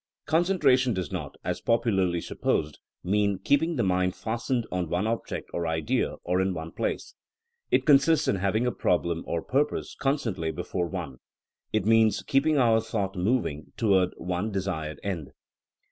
Concentration does not, as popularly sup posed, mean keeping the mind fastened on one object or idea or in one place. It consists in having a problem or purpose constantly before one. It means keeping our thought moving toward one desired end.